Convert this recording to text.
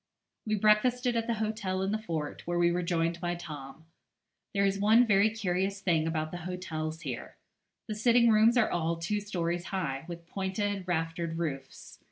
We breakfasted at the hotel in the fort, where we were joined by Tom. There is one very curious thing about the hotels here. The sitting rooms are all two stories high, with pointed raftered roofs.